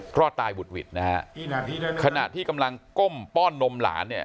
รอดตายบุดหวิดนะฮะขณะที่กำลังก้มป้อนนมหลานเนี่ย